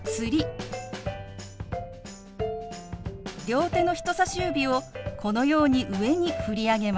両手の人さし指をこのように上に振り上げます。